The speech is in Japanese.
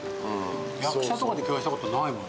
役者とかで共演したことないもんね。